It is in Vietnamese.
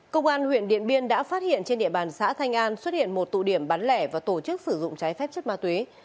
công an huyện điện biên đã phát hiện trên địa bàn xã thanh an xuất hiện một tụ điểm bán lẻ và tổ chức sử dụng trái phép chất ma túy